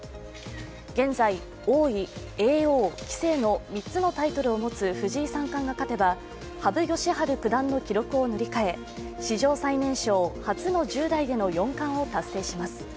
現在、王位、叡王、棋聖の３つのタイトルを持つ藤井三冠が勝てば羽生善治九段の記録を塗り替え初の１０代での四冠を達成します。